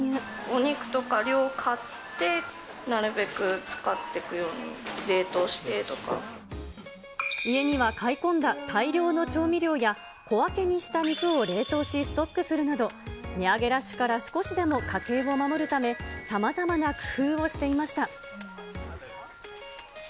お肉とか量買って、なるべく家には買い込んだ大量の調味料や、小分けにした肉を冷凍し、ストックするなど、値上げラッシュから少しでも家計を守るため、さまざまな工夫をしていました。